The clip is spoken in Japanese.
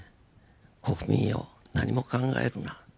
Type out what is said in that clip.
国民よ何も考えるな。